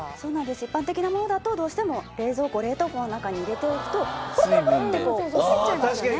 一般的なものだとどうしても冷蔵庫冷凍庫の中に入れておくとクルクルクルッて折れちゃいますよね。